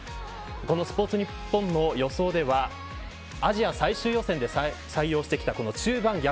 スポーツニッポンの予想ではアジア最終予選で採用してきた中盤逆